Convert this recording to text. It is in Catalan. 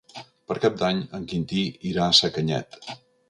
Per Cap d'Any en Quintí irà a Sacanyet.